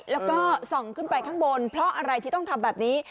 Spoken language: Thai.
แล้วก็ส่องขึ้นไปข้างบนเพราะอะไรที่ต้องทำแบบนี้